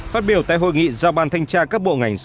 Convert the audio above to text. phát biểu tại hội nghị giao ban thanh tra các bộ ngành